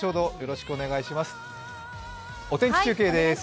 お天気中継です。